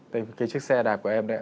đây là cái chiếc xe đạp của em đấy